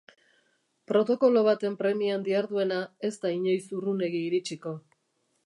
Protokolo baten premian diharduena ez da inoiz urrunegi iritsiko.